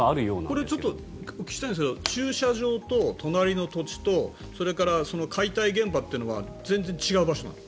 これはお聞きしたいんですが駐車場と隣の土地とそれから解体現場というのは全然違う場所なの？